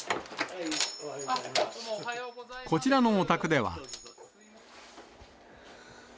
こちらのお宅では。